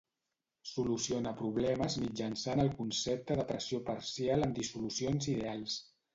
Soluciona problemes mitjançant el concepte de pressió parcial en dissolucions ideals.